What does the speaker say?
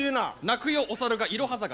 鳴くよお猿がいろは坂。